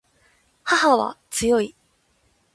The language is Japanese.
母は強い